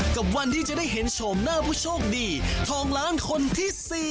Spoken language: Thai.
กับวันที่จะได้เห็นโฉมหน้าผู้โชคดีทองล้านคนที่๔